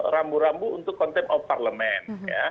rambu rambu untuk konten parlement